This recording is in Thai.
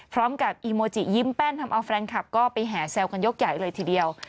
อีโมจิยิ้มแป้นทำเอาแฟนคลับก็ไปแห่แซวกันยกใหญ่เลยทีเดียว